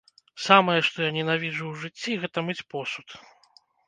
Самае, што я ненавіджу ў жыцці, гэта мыць посуд.